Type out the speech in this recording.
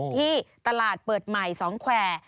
ที่ตลาดเปิดใหม่๒แควร์